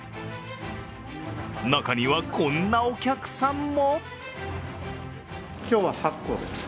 中には、こんなお客さんも。